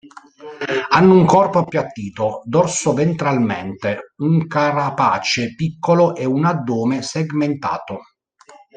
Hanno un corpo appiattito dorso ventralmente, un carapace piccolo e un addome segmentato.